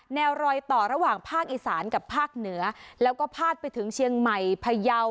แนวรอยต่อระหว่างภาคอีสานกับภาคเหนือแล้วก็พาดไปถึงเชียงใหม่พยาว